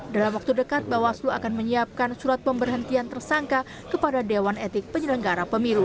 dalam waktu dekat bawaslu akan menyiapkan surat pemberhentian tersangka kepada dewan etik penyelenggara pemilu